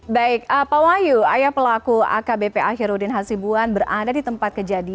baik pak wahyu ayah pelaku akbp akhirudin hasibuan berada di tempat kejadian